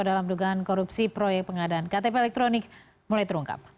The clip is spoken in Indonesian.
dalam dugaan korupsi proyek pengadaan ktp elektronik mulai terungkap